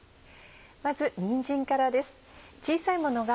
まずにんじんからです。